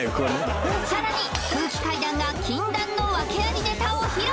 さらに空気階段が禁断のワケありネタを披露